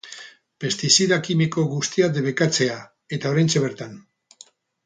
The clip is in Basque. Pestizida kimiko guztiak debekatzea eta oraintxe bertan.